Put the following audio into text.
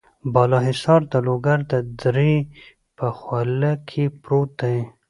بالا حصار د لوګر د درې په خوله کې پروت دی.